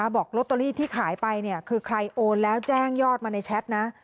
บอกลอตเตอรี่ที่ขายไปคือใครโอนแล้วแจ้งยอดมาในแชทนะ